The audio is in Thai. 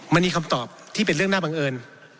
มันมีคำตอบที่เป็นเรื่องน่าบังเอิญ